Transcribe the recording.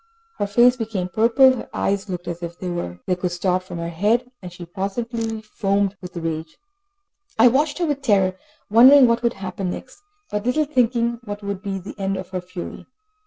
Her face became purple, her eyes looked as if they would start from her head, and she positively foamed with rage. I watched her with terror, wondering what would happen next, but little thinking what would be the end of her fury.